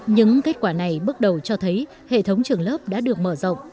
những kết quả này bước đầu cho thấy hệ thống trường lớp đã được mở rộng